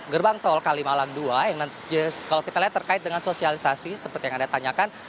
gerbang tol kalimalang dua yang nanti kalau kita lihat terkait dengan sosialisasi seperti yang anda tanyakan